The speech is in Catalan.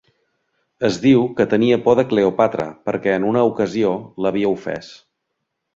Es diu que tenia por de Cleòpatra perquè en una ocasió l'havia ofès.